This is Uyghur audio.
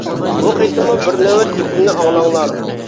بۇ قېتىممۇ بىر نۆۋەت گېپىمنى ئاڭلاڭلار.